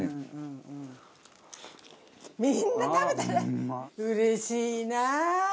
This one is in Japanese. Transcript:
みんな食べてうれしいなあ！